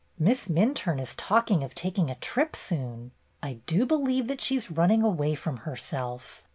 "Miss Minturne is talking of taking a trip soon. I do believe that she 's running away from herself.